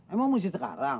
emang mesti sekarang